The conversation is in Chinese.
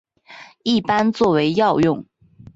一般作为药用。